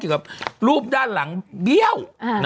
เกี่ยวกับรูปด้านหลังเบี้ยว